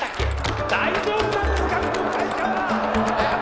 「大丈夫なんですかこの会社は！？」「えっ」